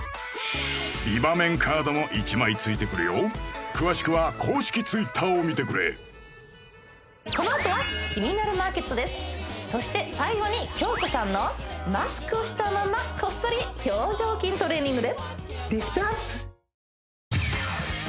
美バメンカードも１枚ついてくるよ詳しくは公式Ｔｗｉｔｔｅｒを見てくれそして最後に京子さんのマスクしたままこっそり表情筋トレーニングです